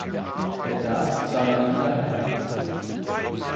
Er darf Zanaida heiraten.